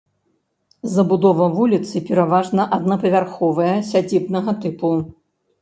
Забудова вуліцы пераважна аднапавярховая сядзібнага тыпу.